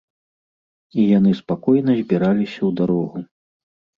І яны спакойна збіраліся ў дарогу.